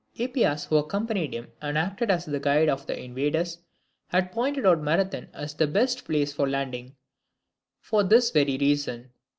Hippias, who accompanied him, and acted as the guide of the invaders, had pointed out Marathon as the best place for a landing, for this very reason.